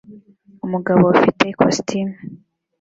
Umugabo ufite ikositimu